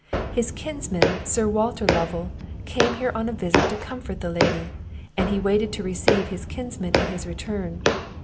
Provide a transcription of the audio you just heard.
His kinsman, Sir Walter Lovel, came here on a visit to comfort the Lady; and he waited to receive his kinsman at his return.